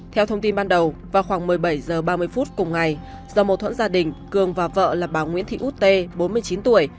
theo thông tin ban đầu vào khoảng một mươi bảy h ba mươi phút cùng ngày do mâu thuẫn gia đình cường và vợ là bà nguyễn thị út tê bốn mươi chín tuổi